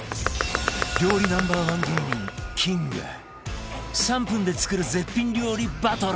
料理 Ｎｏ．１ 芸人キング３分で作る絶品料理バトル